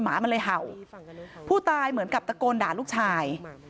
หมามันเลยเห่าผู้ตายเหมือนกับตะโกนด่าลูกชาย